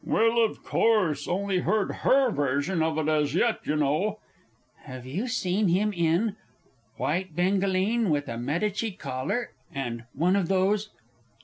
Well, of course, only heard her version of it as yet, y' know.... Have you seen him in ... white bengaline with a Medici collar, and one of those